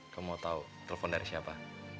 kamu mau tau telpon dari siapa